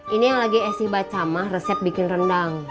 ini yang lagi asik baca mah resep bikin rendang